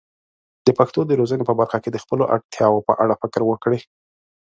د پښتو د روزنې په برخه کې د خپلو اړتیاوو په اړه فکر وکړي.